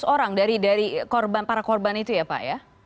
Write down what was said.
lima ratus orang dari korban para korban itu ya pak ya